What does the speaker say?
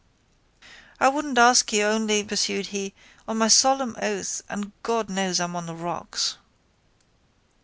—I wouldn't ask you only, pursued he, on my solemn oath and God knows I'm on the rocks.